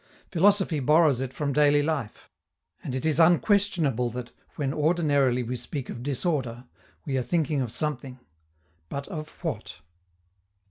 Philosophy borrows it from daily life. And it is unquestionable that, when ordinarily we speak of disorder, we are thinking of something. But of what?